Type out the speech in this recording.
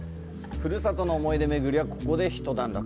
ふるさとの思い出めぐりはここで一段落。